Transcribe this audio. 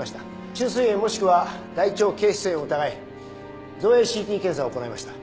虫垂炎もしくは大腸憩室炎を疑い造影ＣＴ検査を行いました。